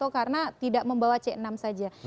karena tidak membawa c enam saja